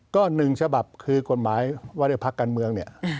ก็๑ฉบับคือกฎหมายวรรยาภักษ์การเมือง